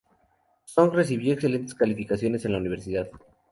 Song recibió excelentes calificaciones en la universidad.